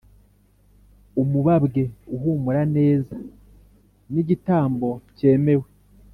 umubabwe uhumura neza n’igitambo cyemewe